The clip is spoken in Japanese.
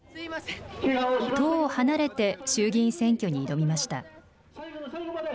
党を離れて、衆議院選挙に挑みました。